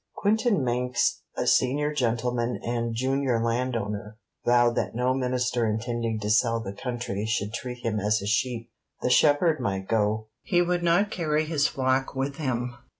Quintin Manx, a senior gentleman and junior landowner, vowed that no Minister intending to sell the country should treat him as a sheep. The shepherd might go; he would not carry his flock with him.